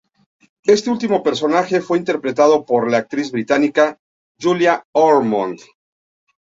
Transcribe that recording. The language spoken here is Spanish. Este último personaje fue interpretado por la actriz británica Julia Ormond.